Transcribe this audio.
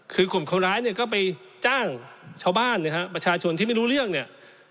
คือกลุ่มคนร้ายเนี่ยก็ไปจ้างชาวบ้านนะฮะประชาชนที่ไม่รู้เรื่องเนี่ย